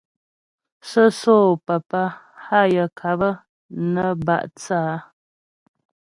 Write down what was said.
Sə́sô papá hâ yaə ŋkáp nə bá' thə̂ á.